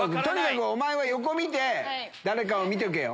おまえは横見て誰かを見とけよ！